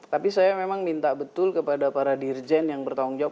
tapi saya memang minta betul kepada para dirjen yang bertanggung jawab